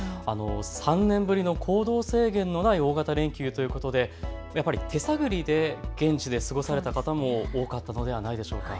３年ぶりの行動制限のない大型連休ということでやっぱり手探りで現地で過ごされた方も多かったのではないでしょうか。